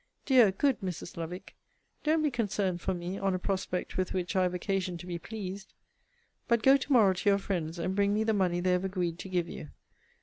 Dear, good Mrs. Lovick, don't be concerned for me on a prospect with which I have occasion to be pleased; but go to morrow to your friends, and bring me the money they have agreed to give you.